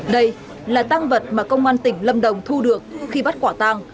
đây là tăng vật mà công an tỉnh lâm đồng thu được khi bắt quả tăng